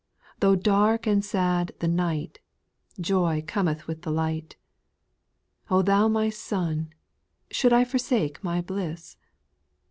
Though (lark and sad the night, Joy Cometh with the light ; O Thou my Sun, should I forsake my bliss